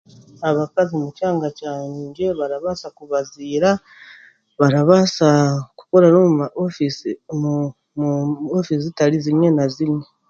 Abakazi mukyanga kyangye barabasa kubaziira, barabaasa kukorera omuma ma ofiisi omu ofiisi zitari zimwe na zimwe.